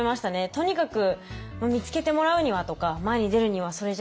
とにかく見つけてもらうにはとか前に出るにはそれじゃ駄目だなと思って。